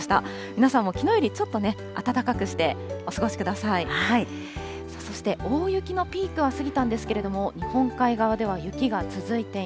皆さんもきのうよりちょっと暖かくしてお過ごしください。